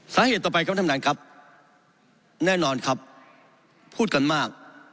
สาเหตุต่อไปครับท่านประธานครับแน่นอนครับพูดกันมาก